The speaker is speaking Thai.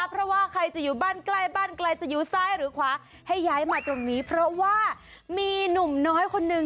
เพราะว่าใครจะอยู่บ้านใกล้บ้านไกลจะอยู่ซ้ายหรือขวาให้ย้ายมาตรงนี้เพราะว่ามีหนุ่มน้อยคนนึง